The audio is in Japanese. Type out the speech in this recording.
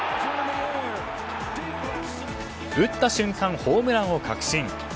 打った瞬間ホームランを確信。